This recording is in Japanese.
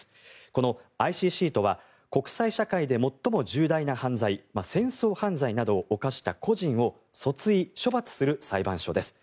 このＩＣＣとは国際社会で最も重大な犯罪戦争犯罪などを犯した個人を訴追・処罰する裁判所です。